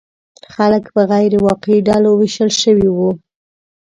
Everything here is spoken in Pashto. خلک په غیر واقعي ډلو ویشل شوي وو.